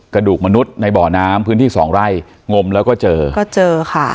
กระดูกมนุษย์ในบ่อน้ำพื้นที่สองไร่งมแล้วก็เจอก็เจอค่ะ